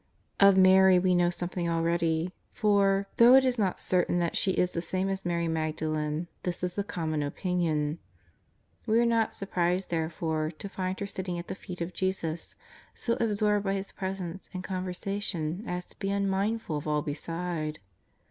Of Mary we know something already, for, though it JESUS OF NAZARETH. 289 is not certain that she is the same as Mary Magdalen, this is the common opinion. We are not surprised, therefore, to find her sitting at the feet of Jesus, so absorbed by His Presence and conversation as to be unmindful of all beside.